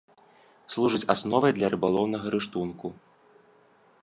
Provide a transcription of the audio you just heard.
Служыць асновай для рыбалоўнага рыштунку.